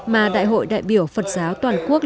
mà đại hội đại biểu phật giáo toàn quốc